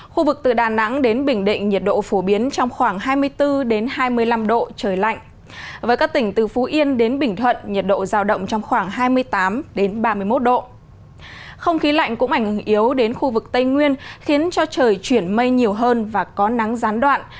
không khí lạnh cũng ảnh hưởng yếu đến khu vực tây nguyên khiến cho trời chuyển mây nhiều hơn và có nắng gián đoạn